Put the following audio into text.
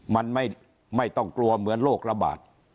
มันไม่ต้องกลัวเหมือนโรคระบาด